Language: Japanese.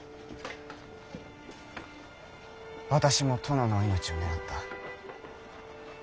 私も殿のお命を狙った。